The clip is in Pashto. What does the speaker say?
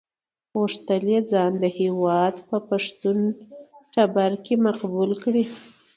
غوښتل یې ځان د هېواد په پښتون ټبر کې مقبول کړي.